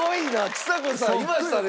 ちさ子さんいましたね